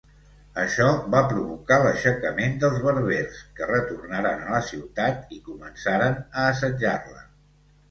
Això va provocar l'aixecament dels berbers, que retornaren a la ciutat i començaren a assetjar-la.